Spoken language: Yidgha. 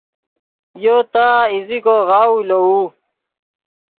یو تا ایزیکو غاؤو لووے